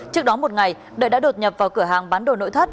trước đó một ngày đợi đã đột nhập vào cửa hàng bán đồ nội thất